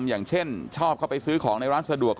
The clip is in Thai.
อย่างเช่นชอบเข้าไปซื้อของในร้านสะดวก